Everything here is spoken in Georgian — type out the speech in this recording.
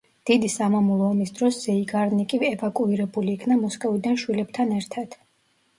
დიდი სამამულო ომის დროს ზეიგარნიკი ევაკუირებული იქნა მოსკოვიდან შვილებთან ერთად.